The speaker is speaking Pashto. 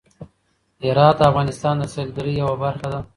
هرات د افغانستان د سیلګرۍ یوه برخه ده.